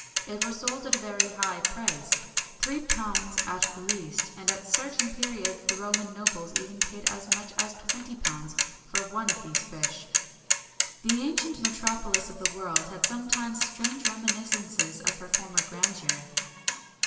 [XXI 80] It was sold at a very high price, £3 at least, and at certain periods the Roman nobles even paid as much as £20 for one of these fish.[XXI 81] The ancient metropolis of the world had sometimes strange reminiscences of her former grandeur.